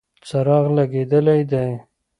څراغ لګېدلی دی.